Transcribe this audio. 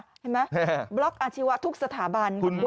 เห็นไหมแบบบล็อกอาชีพทุกสถาบันคดีละครับบริการ